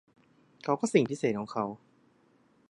เขาก็สิ่งพิเศษของเขา